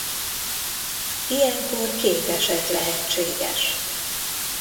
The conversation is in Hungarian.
Ilyenkor két eset lehetséges.